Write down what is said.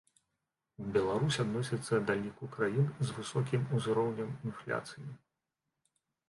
Беларусь адносіцца да ліку краін з высокім узроўнем інфляцыі.